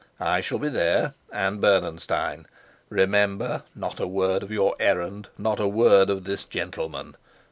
I shall be there, and Bernenstein. Remember, not a word of your errand, not a word of this gentleman!